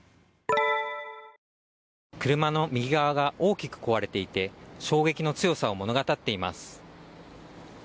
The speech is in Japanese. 車の右側が大きく壊れていて衝撃の強さを物語っています。